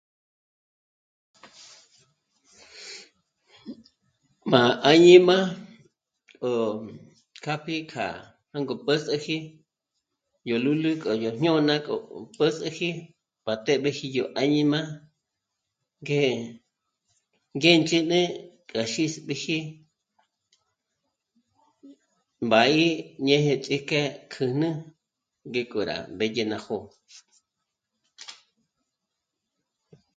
Má áñima o kjá píkja jângo p'ë́s'ëji yó lúlu k'o yó jñôna k'ó p'ë́sëji pa t'ë́b'ëji yó áñima gé... Ngẽ̌ch'én'e k'a xísb'iji b'ǎgi ñë̂jë ts'ík'e kjä̀jnä ngé k'o rá mbédye nájo